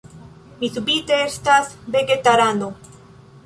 Mi subite estas vegetarano...